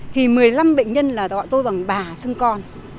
thì một mươi năm bệnh nhân là gọi tôi bằng bà xưng con